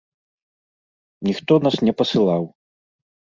Ніхто нас не пасылаў.